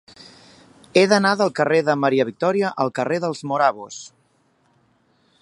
He d'anar del carrer de Maria Victòria al carrer dels Morabos.